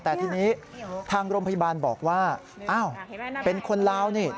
แต่ทีนี้ทางโรงพยาบาลบอกว่าอ้าวเป็นคนลาวนี่